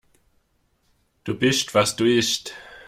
Du bist, was du isst.